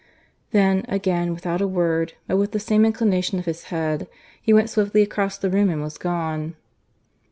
Then, again without a word, but with that same inclination of his head, he went swiftly across the room and was gone.